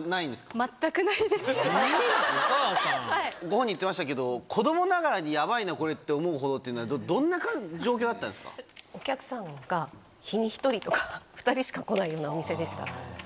ご本人言ってましたけど子供ながらに「ヤバいなこれ」って思うほどっていうのはどんな状況だったんですか？しか来ないようなお店でした。